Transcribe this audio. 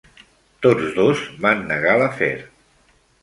Tots dos van negar l'afer.